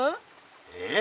えっ？